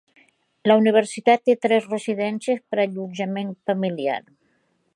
La universitat té tres residències per a allotjament familiar.